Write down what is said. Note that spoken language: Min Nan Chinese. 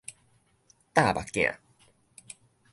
貼目鏡